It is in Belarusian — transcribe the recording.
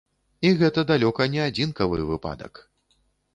І гэта далёка не адзінкавы выпадак.